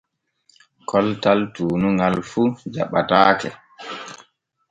Koltal tuunuŋal fu jaɓataake.